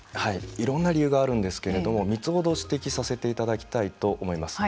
いろんな理由があるんですけれども３つ程指摘させていただきたいと思います。